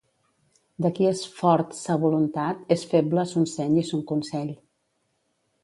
De qui és fort sa voluntat, és feble son seny i son consell.